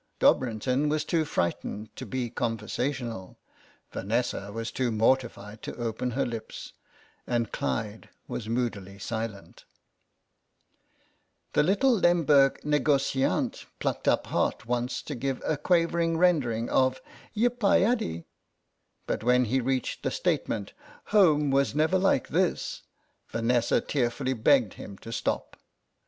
Dobrinton was too frightened to be con versational, Vanessa was too mortified to open her lips, and Clyde was moodily silent. 104 CROSS CURRENTS The little Lemberg nigociant plucked up heart once to give a quavering rendering of " Yip I Addy," but when he reached the statement "home was never like this" Vanessa tearfully begged him to stop.